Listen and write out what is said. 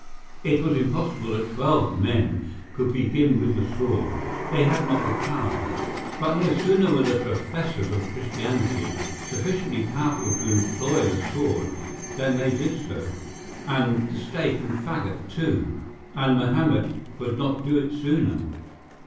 It was impossible that twelve men could begin with the sword: they had not the power; but no sooner were the professors of Christianity sufficiently powerful to employ the sword than they did so, and the stake and faggot too; and Mahomet could not do it sooner.